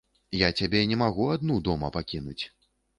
Я цябе не магу адну дома пакінуць.